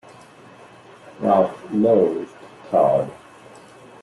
Ralph loathed Todd.